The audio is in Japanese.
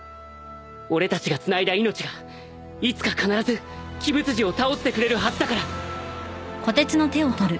俺たちがつないだ命がいつか必ず鬼舞辻を倒してくれるはずだから。